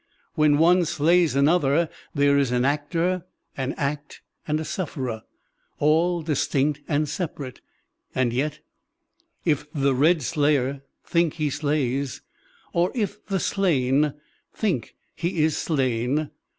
When one slays another, there is an actor, an act, and a sufferer, all distinct and separate; and yet •*If the red slayer think he slays, Or if the slain think he is slain.